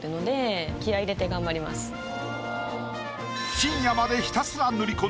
深夜までひたすら塗り込み